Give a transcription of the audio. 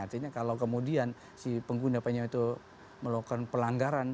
artinya kalau kemudian si pengguna penyewa itu melakukan pelanggaran